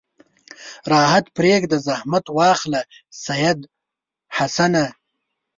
راحت پرېږده زحمت واخله سید حسنه.